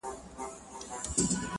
د نظرونو په بدل کي مي فکرونه راوړل!!